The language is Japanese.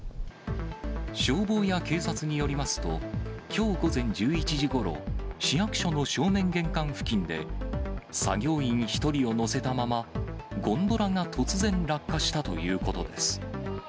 消防や警察によりますと、きょう午前１１時ごろ、市役所の正面玄関付近で、作業員１人を乗せたまま、ゴンドラが突然落下したということです。